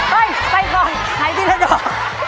เฮ่ยไปก่อนไขทีละดอก